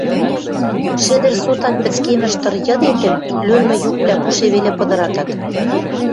Шӹдӹр сотан пӹцкемӹш тыр йыдетӹм лӱлмӹ юквлӓ пуше веле пыдыратат.